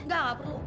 gak gak perlu